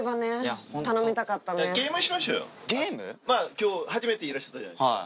今日初めていらっしゃったじゃないですか。